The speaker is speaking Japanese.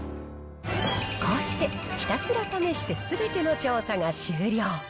こうしてひたすら試して、すべての調査が終了。